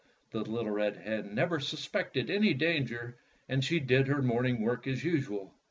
The little red hen never suspected any dan ger, and she did her morning work as usual.